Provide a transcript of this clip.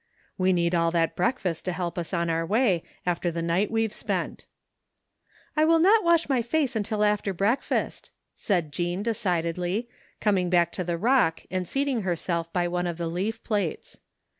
" We need all that breakfast to help us on our way after the night we've spent" " I will not wash my face until after breakfast," said Jean decidedly, coming back to the rock and seat ing herself by one of the leaf plates.